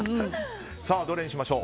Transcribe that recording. どれにしましょう。